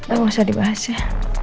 engga usah dibahas ya